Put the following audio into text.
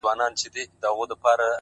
د جنت د حورو ميري. جنت ټول درته لوگی سه.